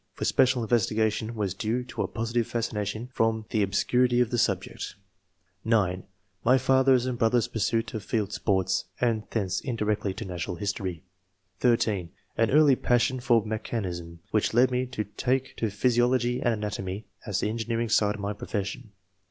for special investigation was due to a positive fascination III.] OBIGIN OF TASTE FOB SCIENCE. 201 from the obscurity of the subject (9) My father^s and brother^s pursuit of field sports, and thence indirectly to natural history. (13) An early passion for mechanism, which led me to take to physiology and anatomy, as the engineering side of my profession.